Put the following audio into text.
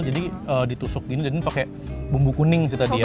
jadi ditusuk gini dan ini pake bumbu kuning sih tadi ya